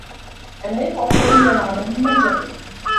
الْعِلْمُ أَفْضَلُ مِنْ الْعَمَلِ لِمَنْ جَهِلَ